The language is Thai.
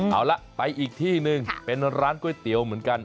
เอาละไปอีกที่หนึ่งเป็นร้านก๋วยเตี๋ยวเหมือนกัน